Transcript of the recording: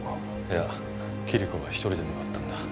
いやキリコは１人で向かったんだ